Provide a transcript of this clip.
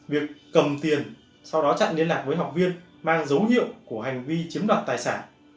việc cầm tiền sau đó chặn liên lạc với học viên mang dấu hiệu của hành vi chiếm đoạt tài sản